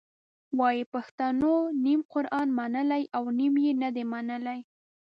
وایي پښتنو نیم قرآن منلی او نیم یې نه دی منلی.